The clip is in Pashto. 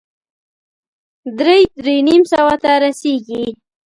درې- درې نيم سوه ته رسېږي.